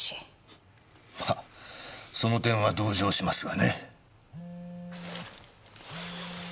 まその点は同情しますがね。